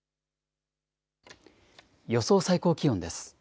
予想最高気温です。